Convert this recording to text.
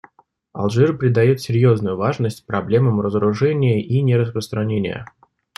Алжир придает серьезную важность проблемам разоружения и нераспространения.